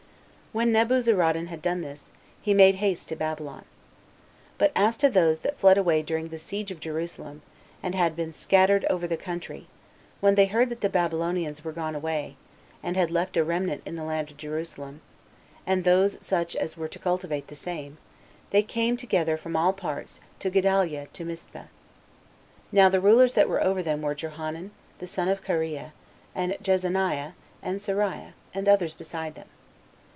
2. When Nebuzaradan had done thus, he made haste to Babylon. But as to those that fled away during the siege of Jerusalem, and had been scattered over the country, when they heard that the Babylonians were gone away, and had left a remnant in the land of Jerusalem, and those such as were to cultivate the same, they came together from all parts to Gedaliah to Mispah. Now the rulers that were over them were Johanan, the son of Kareah, and Jezaniah, and Seraiah, and others beside them.